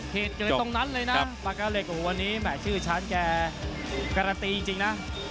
เขตเกล็ดตรงนั้นเลยนะปากาเหล็กวันนี้แหมดชื่อชั้นแก่การตีจริงนะ